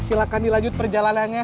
silakan dilanjut perjalanannya